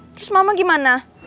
terus mama gimana